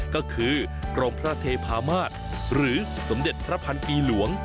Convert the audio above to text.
ก็คือกรมพระเทพามาศหรือสมเด็จพระพันกีหลวง